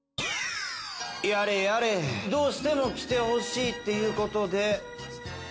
やれやれどうしても来てほしいっていうことで。